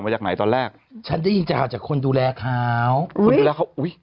มาจากไหนตอนแรกฉันได้ยินข่าวจากคนดูแลเขาคนดูแลเขาอุ้ย